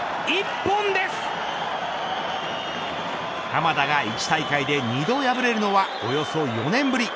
濱田が１大会で２度破れるのはおよそ４年ぶり。